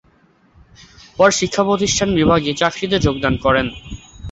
পরে শিক্ষা বিভাগে চাকরিতে যোগদান করেন।